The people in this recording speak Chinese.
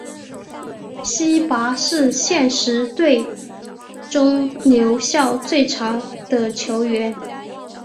希拔是现时队中留效最长的球员。